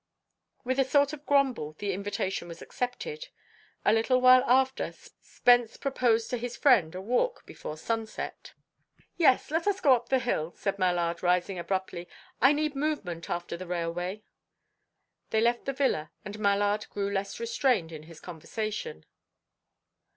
With a sort of grumble, the invitation was accepted. A little while after, Spence proposed to his friend a walk before sunset. "Yes; let us go up the hill," said Mallard, rising abruptly. "I need movement after the railway." They left the villa, and Mallard grew less restrained in his conversation.